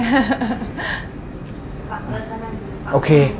ฟังเลยค่ะแม่ง